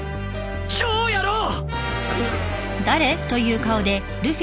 今日やろう！